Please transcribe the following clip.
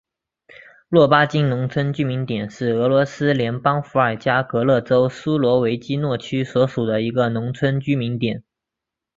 洛巴金农村居民点是俄罗斯联邦伏尔加格勒州苏罗维基诺区所属的一个农村居民点。